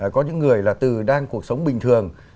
có những người là từ đang cuộc sống bình thường